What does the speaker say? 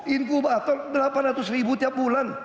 inku batok delapan ratus ribu tiap bulan